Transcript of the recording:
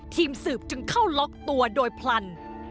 ทีมสืบจึงเข้าล็อกตัวโดยพลัน